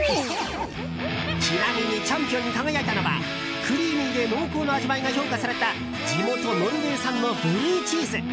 ちなみにチャンピオンに輝いたのはクリーミーで濃厚な味わいが評価された地元ノルウェー産のブルーチーズ。